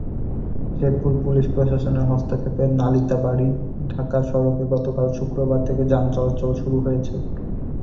Sherpur police প্রশাসনের হস্তক্ষেপে নালিতাবাড়ী-ঢাকা সড়কে গতকাল শুক্রবার থেকে যান চলাচল শুরু হয়েছে।